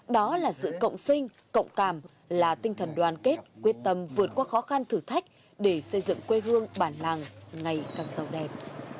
đó là sự cộng sinh cộng cảm là tinh thần đoàn kết quyết tâm vượt qua khó khăn thử thách để xây dựng quê hương bản làng ngày càng giàu đẹp